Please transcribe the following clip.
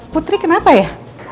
putri kenapa ya